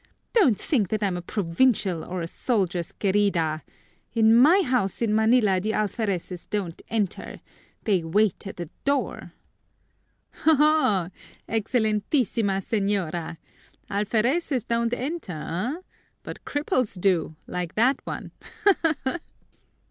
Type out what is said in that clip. "Don't think that I'm a provincial or a soldier's querida! In my house in Manila the alfereces don't eater, they wait at the door." "Oho, Excelentísima Señora! Alfereces don't enter, but cripples do like that one ha, ha, ha!"